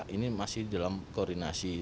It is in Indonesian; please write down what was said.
ini masih dalam koordinasi